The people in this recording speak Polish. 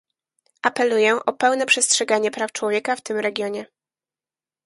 Apeluję o pełne przestrzeganie praw człowieka w tym regionie